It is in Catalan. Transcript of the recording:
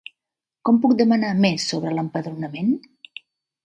Com puc demanar més sobre l'empadronament?